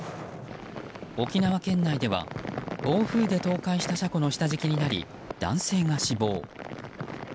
沖縄県内では、暴風で倒壊した車庫の下敷きになり男性が死亡。